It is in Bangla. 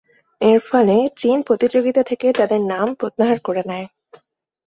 এরফলে চীন প্রতিযোগিতা থেকে তাদের নাম প্রত্যাহার করে নেয়।